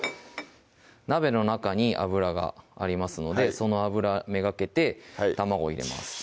鍋の中に油がありますのでその油目がけて卵入れます